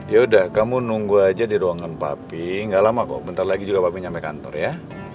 ya udah kamu nunggu aja di ruangan papi gak lama kok bentar lagi juga papi sampai kantor ya